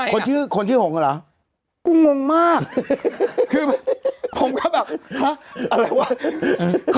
พอคุยก็เริ่มลงสักพักหนึ่ง